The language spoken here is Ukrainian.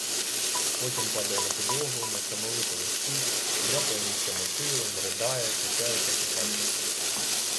Потім падає на підлогу, несамовито вищить, дряпає нігтями килим, ридає, качається по хаті.